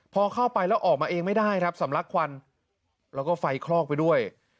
พอเข้าไปแล้วออกมาเองไม่ได้ครับสำลักควันแล้วก็ไฟคลอกไปด้วย